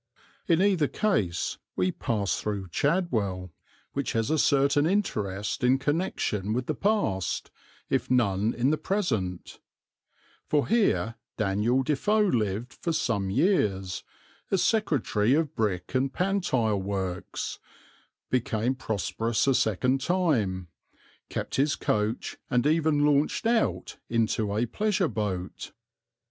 In either case we pass through Chadwell, which has a certain interest in connection with the past, if none in the present, for here Daniel Defoe lived for some years, as secretary of brick and pantile works, became prosperous a second time, kept his coach, and even launched out into a pleasure boat.